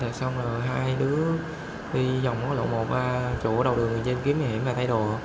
rồi sau đó hai đứa đi vòng lộ một chỗ đầu đường trên kiếm hiểm và thay đồ